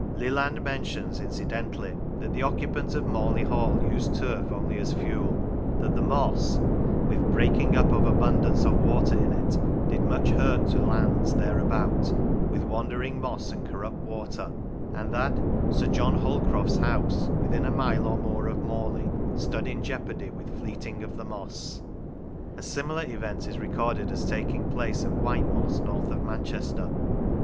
Leland mentions, incident ally, that the occupant of Morley Hall used turf only as fuel; that the moss " with breaking up of abundance of water in it, did much hurt to lands thereabout with wandering moss and corrupt water"; and that " Sir John Holcroft's house, within a mile or more of Morley, stood in jeopardy with fleeting of the moss." A similar event is recorded as taking place at White moss, north of Manchester.